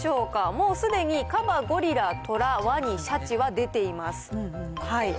もうすでにカバ、ゴリラ、トラ、ワニ、シャチは出ています。